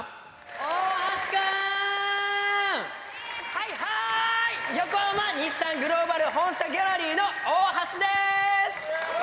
はいはーい、横浜・日産グローバル本社ギャラリーの大橋です。